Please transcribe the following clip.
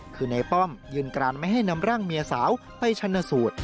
คือในป้อมยืนกรานไม่ให้นำร่างเมียสาวไปชนสูตร